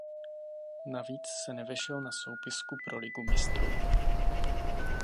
Navíc se nevešel na soupisku pro Ligu mistrů.